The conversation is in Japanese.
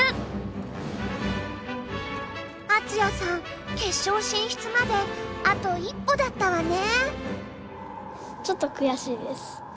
敦也さん決勝進出まであと一歩だったわね。